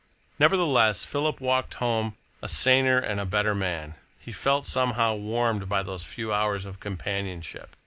Nevertheless, Philip walked home a saner and a better man. He felt somehow warmed by those few hours of companionship.